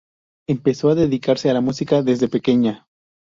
Empezó a dedicarse a la música desde pequeña.